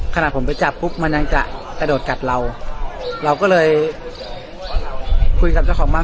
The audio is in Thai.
ขณะผมไปจับปุ๊บมันยังจะกระโดดกัดเราเราก็เลยคุยกับเจ้าของบ้าน